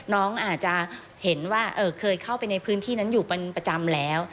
น้องอาจจะเห็นว่าเคยเข้าไปในพื้นที่นั้นอยู่เป็นประจำแล้ว